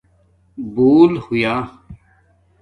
بُول ہویا